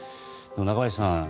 中林さん